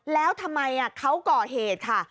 แล้วทำไมเขาก่อเหตุค่ะ